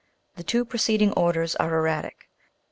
The two preceding orders are erratic.